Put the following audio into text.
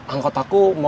angkot aku mau